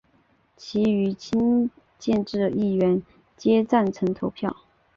其余亲建制议员皆投赞成票。